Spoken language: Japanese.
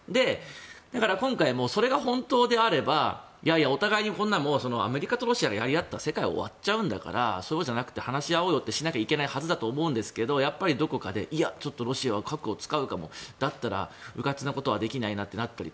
今回もそれが本当であればお互いにアメリカとロシアがやり合ったら世界が終わっちゃうんだからそうじゃなくて話し合おうよってならなきゃいけないはずなんだけどやっぱりどこかでロシアは核を使うかもだったらうかつなことはできないなとか。